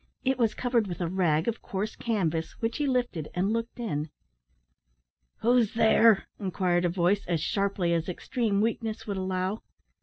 It was covered with a rag of coarse canvas, which he lifted, and looked in. "Who's there?" inquired a voice, as sharply as extreme weakness would allow.